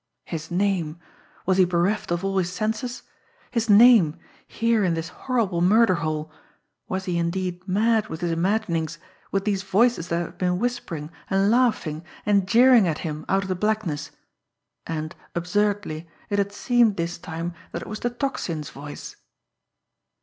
His name! Was he bereft of all his senses! His name! Here in this horrible murder hole! Was he indeed mad with his imaginings, with these voices that had been whispering, and laughing, and jeering at him out of the blackness! And, absurdly, it had seemed this time that it was the Tocsin's voice!